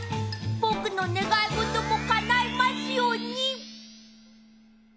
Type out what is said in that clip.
ぼくのねがいごともかないますように。